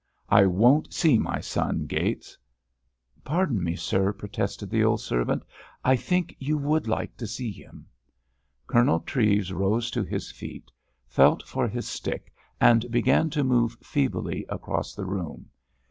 "I won't see my son, Gates!" "Pardon me, sir," protested the old servant, "I think you would like to see him." Colonel Treves rose to his feet, felt for his stick, and began to move feebly across the room.